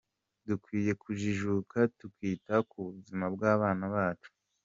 Dukwiye kujijuka tukita ku buzima bw’abana bacu.